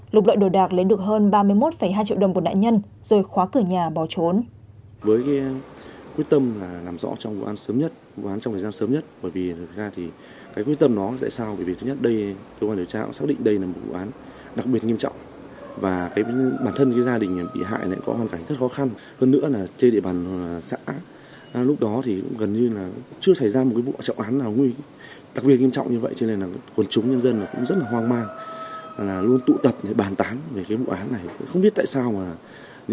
lục lợi đồ đạc lấy được hơn ba mươi một hai triệu đồng của nạn nhân rồi khóa cửa nhà bỏ trốn